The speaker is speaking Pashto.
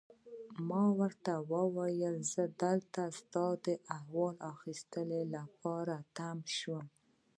ما ورته وویل: زه دلته ستا د احوال اخیستو لپاره تم شوم.